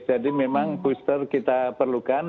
jadi memang booster kita perlukan